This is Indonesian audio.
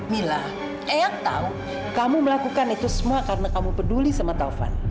mila ayah tahu kamu melakukan itu semua karena kamu peduli sama taufan